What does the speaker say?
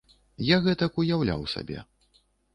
Я гэтак уяўляў сабе.